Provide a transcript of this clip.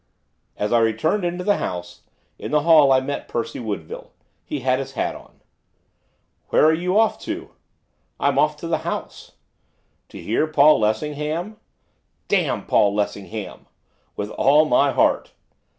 As I returned into the house, in the hall I met Percy Woodville. He had his hat on. 'Where are you off to?' 'I'm off to the House.' 'To hear Paul Lessingham?' 'Damn Paul Lessingham!' 'With all my heart!